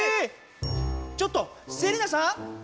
ちょっとセリナさん